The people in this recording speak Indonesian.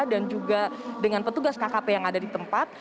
dan juga dengan petugas kkp yang ada di tempat